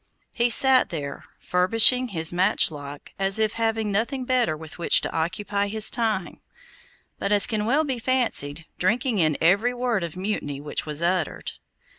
He sat there, furbishing his matchlock as if having nothing better with which to occupy the time; but, as can well be fancied, drinking in every word of mutiny which was uttered.